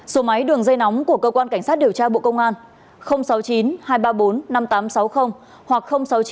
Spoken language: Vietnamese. số máy đường dây nóng của cơ quan cảnh sát điều tra bộ công an sáu mươi chín hai trăm ba mươi bốn năm nghìn tám trăm sáu mươi hoặc sáu mươi chín hai trăm ba mươi một một nghìn sáu trăm